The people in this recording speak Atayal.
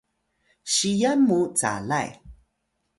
siyan mu calay